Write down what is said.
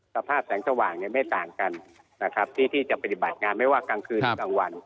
สภาพแสงสว่างไม่ต่างกันนะครับที่จะปฏิบัติงานไม่ว่ากลางคืนหรือกลางวัน